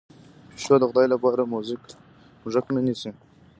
پیشو د خدای لپاره موږک نه نیسي.